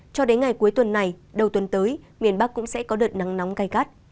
cho đến ngày cuối tuần này đầu tuần tới miền bắc cũng sẽ có đợt nắng nóng cay cắt